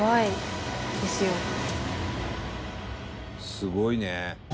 「すごいね」